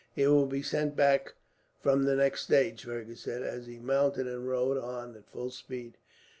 "It will be sent back from the next stage," Fergus said, as he mounted and rode on at full speed.